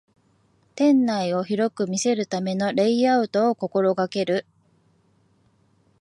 店内を広く見せるためのレイアウトを心がける